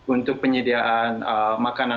untuk penyediaan makanan